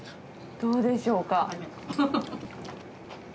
どうでしょうか。